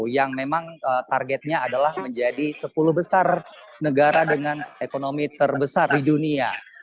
yang memang targetnya adalah menjadi sepuluh besar negara dengan ekonomi terbesar di dunia